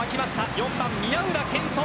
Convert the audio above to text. ４番・宮浦健人。